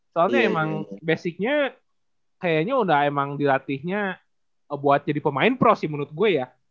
soalnya emang basicnya kayaknya udah emang dilatihnya buat jadi pemain pro sih menurut gue ya